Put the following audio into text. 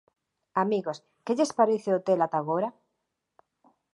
Amigos, que lles parece o hotel ata agora?